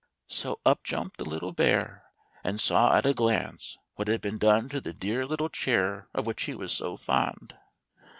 So up jumped the little bear, and saw at a glance what had been done to the dear little chair of which he was so fond.